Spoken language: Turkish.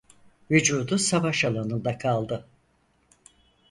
Vücudu savaş alanında kaldı.